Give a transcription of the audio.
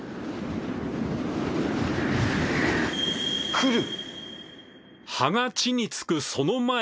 来る！